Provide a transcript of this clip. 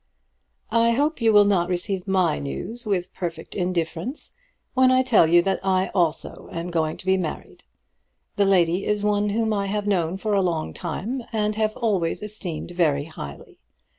I hope you will not receive my news with perfect indifference when I tell you that I also am going to be married. The lady is one whom I have known for a long time, and have always esteemed very highly.